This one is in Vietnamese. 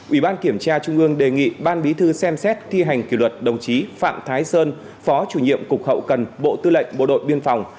ủy ban kiểm tra trung ương đề nghị ban bí thư xem xét thi hành kỷ luật đồng chí phạm thái sơn phó chủ nhiệm cục hậu cần bộ tư lệnh bộ đội biên phòng